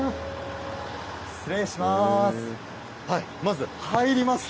失礼します。